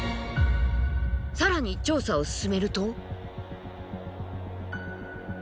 更に調査を進めると。